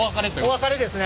お別れですね。